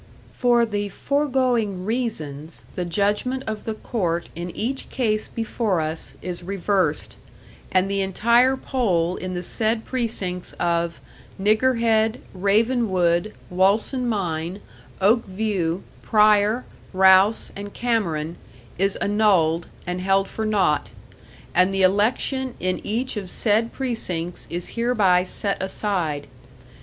"For the foregoing reasons the judgment of the court in each case before us, is reversed, and the entire poll in the said precincts of Niggerhead, Ravenwood, Walsen Mine, Oakview, Pryor, Rouse and Cameron is annulled, and held for naught, and the election in each of said precincts is hereby set aside.